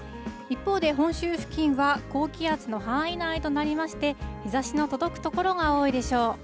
一方で本州付近は高気圧の範囲内となりまして、日ざしの届く所が多いでしょう。